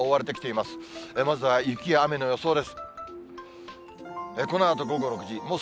まずは雪や雨の予想です。